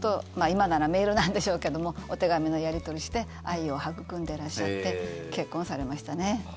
今ならメールなんでしょうけどもお手紙のやり取りして愛を育んでらっしゃって結婚されましたね。